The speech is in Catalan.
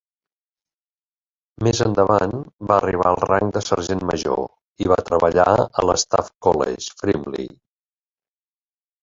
Més endavant va arribar al rang de sergent major i va treballar a l'Staff College, Frimley.